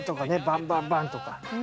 バンバンバンとか。